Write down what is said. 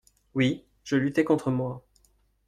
Oui, je luttai contre moi.